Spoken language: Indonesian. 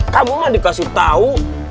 kamu mah dikasih tau